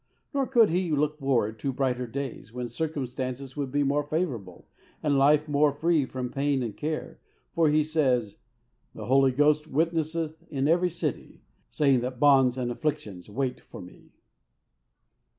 Nor could he look forward to brighter days, when circumstances would be more favourable, and life more free from pain and care, for he says, "The Holy Ghost witnesseth in every city, saying that bonds and afflictions wait for me."